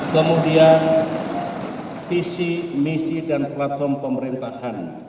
kemudian visi misi dan platform pemerintahan